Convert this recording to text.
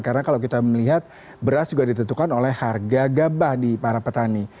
karena kalau kita melihat beras juga ditentukan oleh harga gabah di para petani